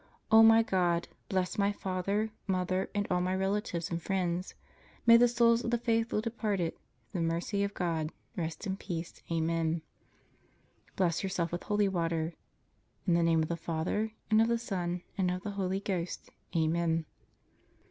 O my God, bless my father, mother, and all my relatives and friends. May the souls of the faithful departed, through the mercy of God, rest in peace. Amen. Bless yourself with holy water. + In the name of the Father, and of the Son, and of the Holy Ghost. Amen.